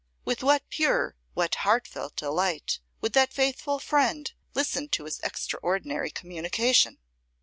With what pure, what heart felt delight, would that faithful friend listen to his extraordinary communication!